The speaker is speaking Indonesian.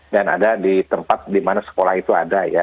dan ada di tempat di mana sekolah itu ada ya